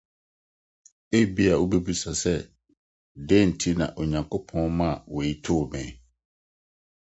Ebia wubebisa sɛ, ‘ Dɛn nti na Onyankopɔn maa eyi too me? ’